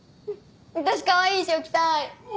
私かわいい衣装着たい！